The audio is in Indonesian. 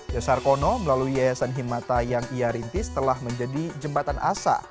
yosarkono melalui yayasan himata yang ia rintis telah menjadi jembatan asa